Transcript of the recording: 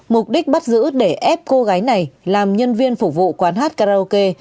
mục đích bắt giữ để ép cô gái này làm nhân viên phục vụ quán hát karaoke